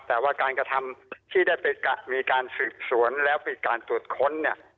แต่ว่าการกระทำที่ได้มีการสืบสวนแล้วปิดการตรวจค้นเนี่ย